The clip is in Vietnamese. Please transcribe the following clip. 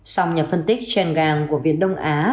song nhà phân tích gen gang của viện đông á